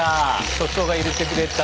所長が入れてくれた。